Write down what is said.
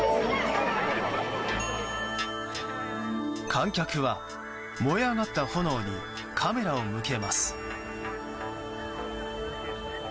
観客は燃え上がった炎にカメラを向けます。